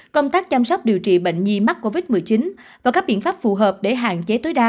công tác chăm sóc điều trị bệnh nhi mắc covid một mươi chín và các biện pháp phù hợp để hạn chế tối đa